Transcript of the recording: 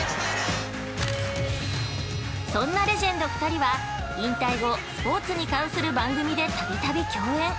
そんなレジェンド２人は引退後、スポーツに関する番組でたびたび共演。